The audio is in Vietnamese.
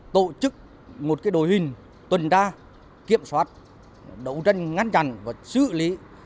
tổ chức một đổi hình tuần đa kiểm soát đấu tranh ngăn chặn và xử lý